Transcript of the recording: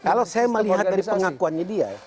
kalau saya melihat dari pengakuannya dia